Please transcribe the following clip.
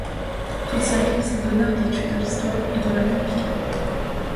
Toute sa vie, il s'adonna à l'étude de l'histoire et de la langue picarde.